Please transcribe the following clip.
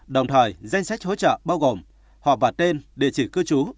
đồng thời danh sách hỗ trợ bao gồm họp và tên địa chỉ cư trú